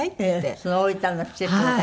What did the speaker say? その大分の施設の方が。